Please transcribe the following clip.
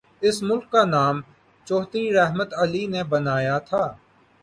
اس ملک کا نام چوہدری رحمت علی نے بنایا تھا۔